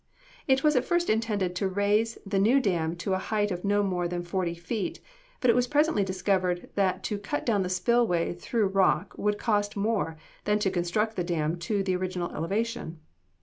It was at first intended to raise the new dam to a height of no more than forty feet, but it was presently discovered that to cut down the spill way through rock would cost more than to construct the dam to the original elevation.